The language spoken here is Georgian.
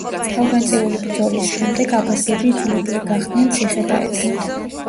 თავგანწირული ბრძოლის შემდეგ აბაზგები იძულებული გახდნენ ციხე დაეთმოთ.